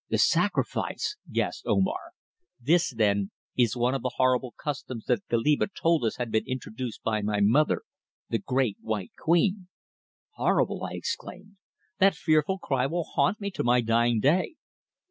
"The sacrifice!" gasped Omar. "This, then, is one of the horrible customs that Goliba told us had been introduced by my mother, the Great White Queen!" "Horrible!" I exclaimed. "That fearful cry will haunt me to my dying day."